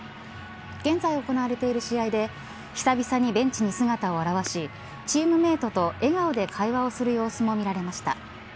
現在行われている試合で久々にベンチに姿を現しチームメートと笑顔で会話をする様子も見られました。